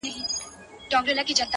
موږ د تاوان په کار کي یکایک ده ګټه کړې؛